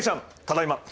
ただいま！